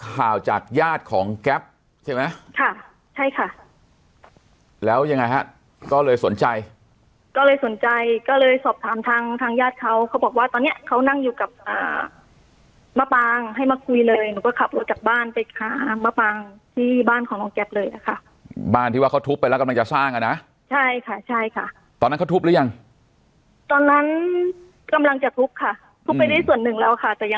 ข่าวจากญาติของแก๊ปใช่ไหมค่ะใช่ค่ะแล้วยังไงฮะก็เลยสนใจก็เลยสนใจก็เลยสอบถามทางทางญาติเขาเขาบอกว่าตอนเนี้ยเขานั่งอยู่กับอ่ามะปางให้มาคุยเลยหนูก็ขับรถจากบ้านไปหามะปางที่บ้านของน้องแก๊ปเลยอะค่ะบ้านที่ว่าเขาทุบไปแล้วกำลังจะสร้างอ่ะนะใช่ค่ะใช่ค่ะตอนนั้นเขาทุบหรือยังตอนนั้นกำลังจะทุบค่ะทุบไปได้ส่วนหนึ่งแล้วค่ะ